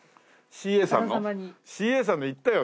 ＣＡさんの行ったよ